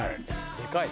でかい。